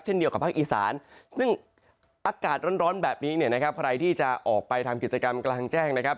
เดียวกับภาคอีสานซึ่งอากาศร้อนแบบนี้เนี่ยนะครับใครที่จะออกไปทำกิจกรรมกลางแจ้งนะครับ